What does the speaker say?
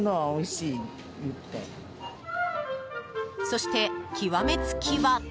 そして極めつきは。